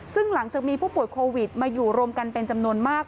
ซึ่งหลังจากมีผู้ป่วยโควิดมาอยู่รวมกันเป็นจำนวนมาก